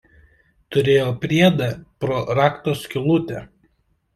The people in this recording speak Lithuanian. Turėjo priedą „Pro rakto skylutę“.